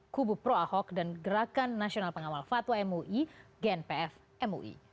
kubu pro ahok dan gerakan nasional pengawal fatwa mui gnpf mui